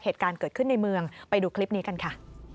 เหตุการณ์เกิดขึ้นในเมืองไปดูคลิปนี้กันค่ะ